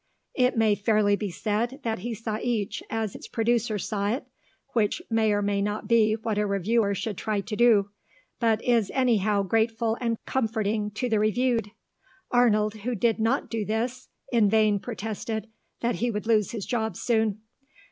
It may fairly be said that he saw each as its producer saw it, which may or may not be what a reviewer should try to do, but is anyhow grateful and comforting to the reviewed. Arnold, who did not do this, in vain protested that he would lose his job soon.